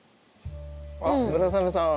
あっ村雨さん